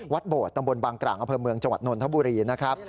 วัดโบดตำบลบางกร่างอเภอเมืองจวดนทบุรีนะครับ